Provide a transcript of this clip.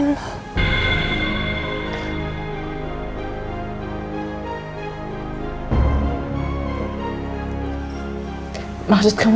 jangan lupa subscribe like share dan komen ya